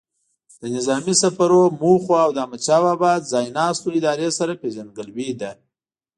د نظامي سفرونو موخو او د احمدشاه بابا ځای ناستو ادارې سره پیژندګلوي ده.